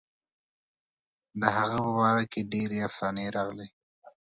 د هغه په باره کې ډېرې افسانې راغلي.